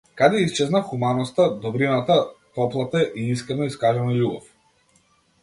Каде исчезна хуманоста, добрината, топлата и искрено искажана љубов?